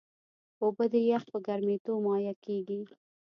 اوبه د یخ په ګرمیېدو مایع کېږي.